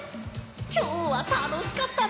きょうはたのしかったぜ！